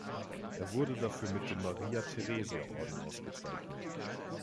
Er wurde dafür mit dem Maria-Theresia-Orden ausgezeichnet.